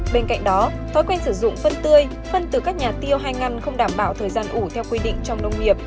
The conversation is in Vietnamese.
bên cạnh đó thói quen sử dụng phân tươi phân từ các nhà tiêu hay ngăn không đảm bảo thời gian ủ theo quy định trong nông nghiệp